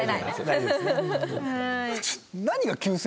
大丈夫ですね。